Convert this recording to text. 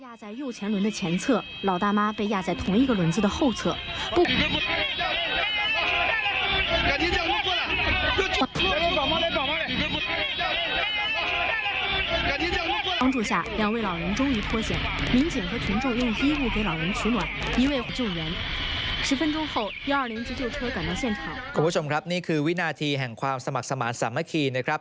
คุณผู้ชมครับนี่คือวินาทีแห่งความสมัครสมาธิสามัคคีนะครับ